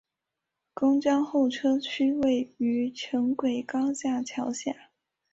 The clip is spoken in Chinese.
公交候车区位于城轨高架桥下。